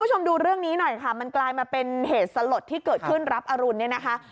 คุณผู้ชมดูเรื่องนี้หน่อยค่ะมันกลายมาเป็นเหตุสลดที่เกิดขึ้นรับอรุณเนี่ยนะคะ